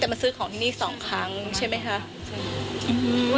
แต่มันซื้อของที่นี่สองครั้งใช่มั้ยคะ